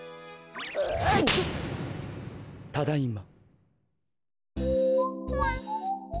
ただいま。